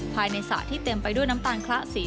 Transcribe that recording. สระที่เต็มไปด้วยน้ำตาลคละสี